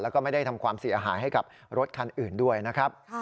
แล้วก็ไม่ได้ทำความเสียหายให้กับรถคันอื่นด้วยนะครับ